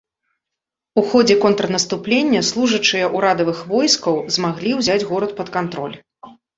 У ходзе контрнаступлення служачыя ўрадавых войскаў змаглі ўзяць горад пад кантроль.